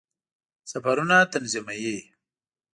سفرونه تنظیموي.